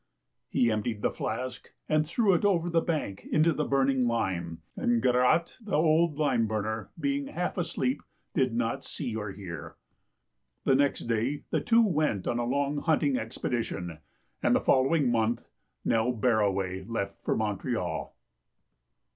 " He emptied the flask, and threw it over the bank into the burning lime, and Garotte, the old lime burner, being half asleep, did not see or hear. The next day the two went on a long hunting ex pedition, and the following month Nell Barraway left for IMontreal.